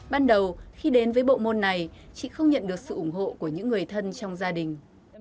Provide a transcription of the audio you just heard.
ban đầu khi đến với bộ môn này chị không nhận được sự ủng hộ của những người thân trong gia đình